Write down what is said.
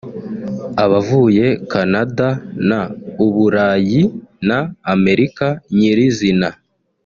abavuye Canada na u Burayi na Amerika nyirizina